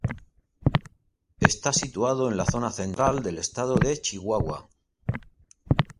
Está situado en la zona central del estado de Chihuahua.